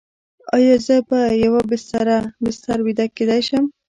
ایا زه په یوه بستر ویده کیدی شم؟